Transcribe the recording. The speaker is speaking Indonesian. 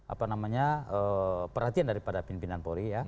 apa namanya perhatian daripada pimpinan polri ya